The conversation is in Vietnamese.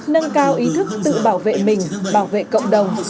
nâng cao ý thức tự bảo vệ mình bảo vệ cộng đồng